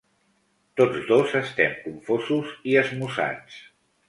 Tots dos estem confosos i esmussats.